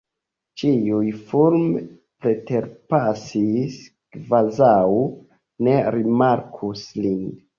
Ĉiuj fulme preterpasis, kvazaŭ ne rimarkus lin.